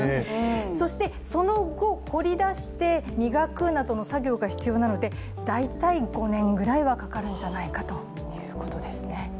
そしてその後、掘り出して、磨くなどの作業が必要なので大体５年ぐらいはかかるんじゃないかということですね。